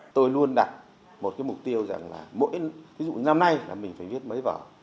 tôi luôn đặt một cái mục tiêu rằng là mỗi ví dụ như năm nay là mình phải viết mấy vở